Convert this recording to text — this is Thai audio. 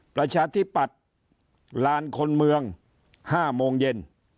ประชาธิปัตย์ลานคนเมือง๕โมงเย็น